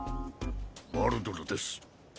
ヴァルドルです。